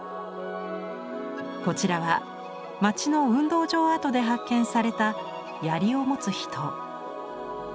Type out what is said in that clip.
こちらは街の運動場跡で発見された「槍を持つ人」。